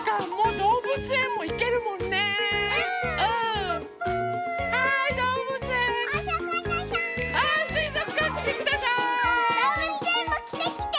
どうぶつえんもきてきて。